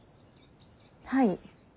はい。